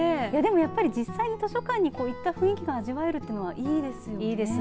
実際に図書館に行った雰囲気が味わえるのはいいですよね。